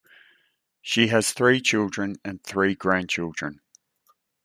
She has three children and three grandchildren.